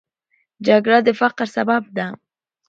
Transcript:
جګړه د فقر سبب ده